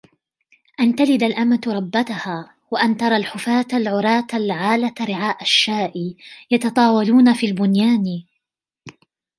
أَنْ تَلِدَ الأَمَةُ رَبَّتَهَا، وَأَنْ تَرَى الْحُفَاةَ الْعُرَاةَ الْعَالَةَ رِعَاءَ الشَّاءِ، يَتَطاوَلُونَ فِي الْبُنْيَانِ